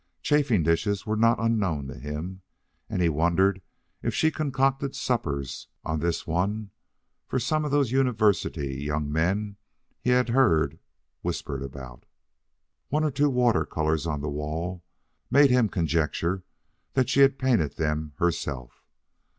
Chafing dishes were not unknown to him, and he wondered if she concocted suppers on this one for some of those University young men he had heard whispers about. One or two water colors on the wall made him conjecture that she had painted them herself.